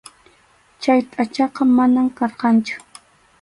Chay pachaqa manam karqanchu.